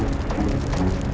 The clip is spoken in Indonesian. ayo cari terus